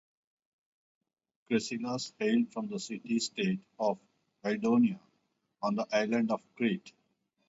Kresilas hailed from the city-state of Kydonia, on the island of Crete.